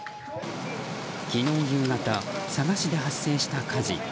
昨日夕方、佐賀市で発生した火事。